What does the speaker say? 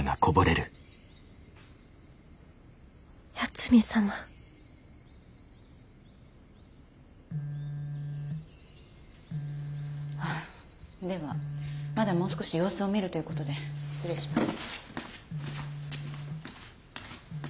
八海サマではまだもう少し様子を見るということで失礼します。